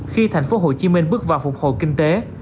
khi thành phố hồ chí minh bước vào phục hồi kinh tế